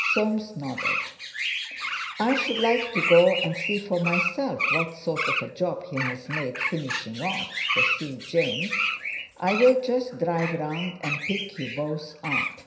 Soames nodded. "I should like to go and see for myself what sort of a job he's made finishing off," pursued James. "I'll just drive round and pick you both up."